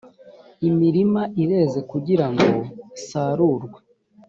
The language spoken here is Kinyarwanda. imirima ireze kugira ngo isarurwe